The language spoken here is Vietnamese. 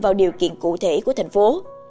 vào điều kiện cụ thể của thành phố